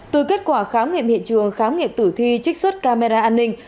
từ kết quả khám nghiệm hiện trường khám nghiệm tử thi trích xuất camera an ninh